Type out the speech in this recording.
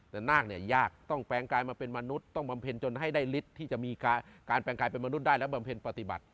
แต่นาคเนี่ยยากต้องแปลงกลายมาเป็นมนุษย์ต้องบำเพ็ญจนให้ได้ฤทธิ์ที่จะมีการแปลงกลายเป็นมนุษย์ได้และบำเพ็ญปฏิบัติ